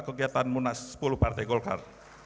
kegiatan munas sepuluh partai golkar